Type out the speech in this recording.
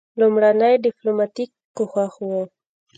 لومړنی ډیپلوماټیک کوښښ وو.